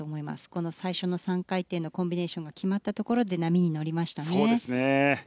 この最初の３回転のコンビネーションが決まったところで波に乗りましたね。